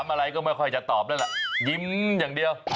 ไม่ค่อยจะตอบนั่นแหละยิ้มอย่างเดียว